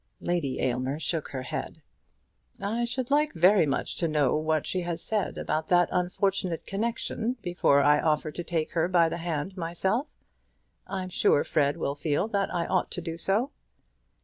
Lady Aylmer shook her head. "I should like much to know what she has said about that unfortunate connection before I offer to take her by the hand myself. I'm sure Fred will feel that I ought to do so."